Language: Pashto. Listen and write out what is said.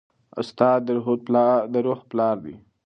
استاد د روح پلار دی.